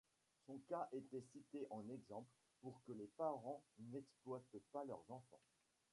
Son cas était cité en exemple pour que les parents n'exploitent pas leurs enfants.